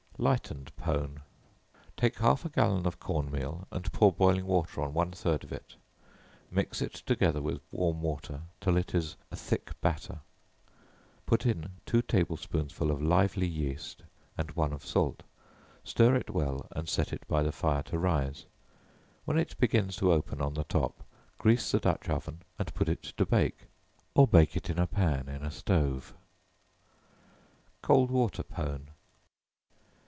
Lightened Pone. Take half a gallon of corn meal, and pour boiling water on one third of it; mix it together with warm water till it is a thick batter; put in two table spoonsful of lively yeast, and one of salt; stir it well and set it by the fire to rise; when it begins to open on the top, grease the dutch oven and put it to bake, or bake it in a pan in a stove. Cold Water Pone.